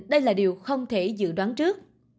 đây là điều không thể dự đoán trước